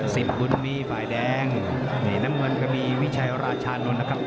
บุญมีฝ่ายแดงนี่น้ำเงินก็มีวิชัยราชานนท์นะครับ